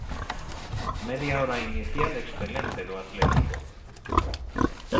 Media hora inicial excelente do Atlético.